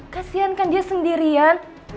kasian kan dia sendirian